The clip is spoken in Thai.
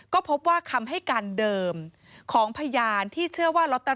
ก็พบว่าคำให้การเดิมของพยานที่เชื่อว่าล็อตเต